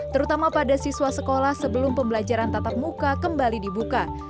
terutama pada siswa sekolah sebelum pembelajaran tatap muka kembali dibuka